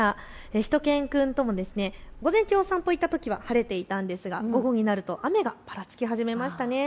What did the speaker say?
しゅと犬くんとも午前中、お散歩に行ったときは晴れていたんですが、午後になると雨がぱらつき始めましたね。